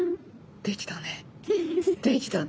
できたね。